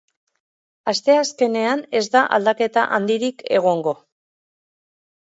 Asteazkenean, ez da aldaketa handirik egongo.